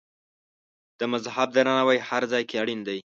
د مذهب درناوی هر ځای کې اړین دی.